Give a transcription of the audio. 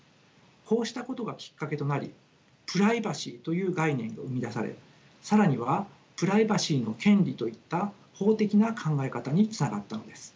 こうしたことがきっかけとなりプライバシーという概念が生み出され更にはプライバシーの権利といった法的な考え方につながったのです。